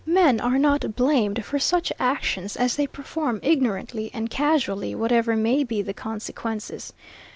Men are not blamed for such actions as they perform ignorantly and casually, whatever may be the consequences.